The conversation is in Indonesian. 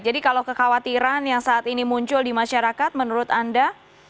jadi kalau kekhawatiran yang saat ini muncul di masyarakat menurut anda